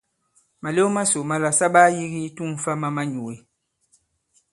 Màlew masò màlà sa ɓaa yīgi i tu᷇ŋ fâ ma manyūe.